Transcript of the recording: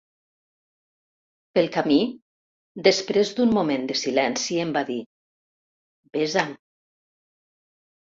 Pel camí, després d'un moment de silenci em va dir: besa'm.